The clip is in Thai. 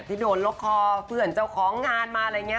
ซึ่งโดนล็อกคอจอย่างเจ้าของงานมา